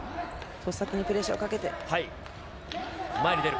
そう、先にプレッシャーをか前に出る。